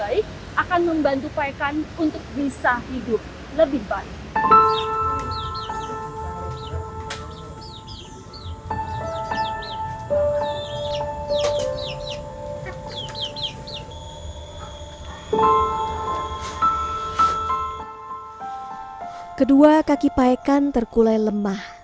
kedua kaki paekan terkulai lemah